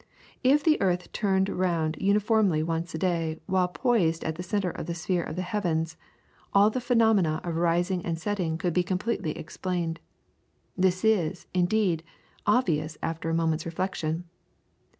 If the earth turned round uniformly once a day while poised at the centre of the sphere of the heavens, all the phenomena of rising and setting could be completely explained. This is, indeed, obvious after a moment's reflection.